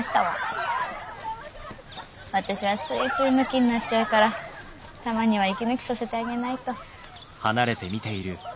私はついついムキになっちゃうからたまには息抜きさせてあげないと。